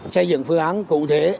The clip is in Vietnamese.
xây dựng phương án cụ thể